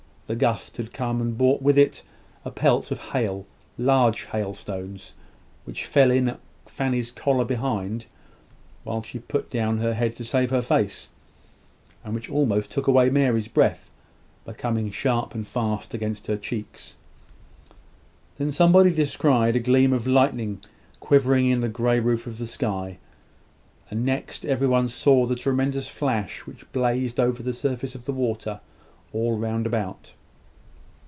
The gust had come, and brought with it a pelt of hail large hailstones, which fell in at Fanny's collar behind, while she put down her head to save her face, and which almost took away Mary's breath, by coming sharp and fast against her cheeks. Then somebody descried a gleam of lightning quivering in the grey roof of the sky; and next, every one saw the tremendous flash which blazed over the surface of the water, all round about.